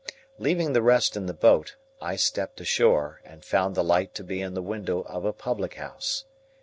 Leaving the rest in the boat, I stepped ashore, and found the light to be in a window of a public house.